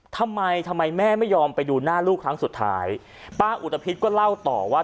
ทำไมทำไมแม่ไม่ยอมไปดูหน้าลูกครั้งสุดท้ายป้าอุตภิษก็เล่าต่อว่า